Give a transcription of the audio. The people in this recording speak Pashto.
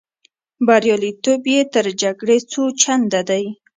بریالیتوب یې تر جګړې څو چنده دی.